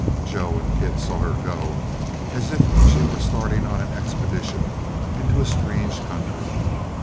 Joe and Kit saw her go as if she were starting on an expedition into a strange country.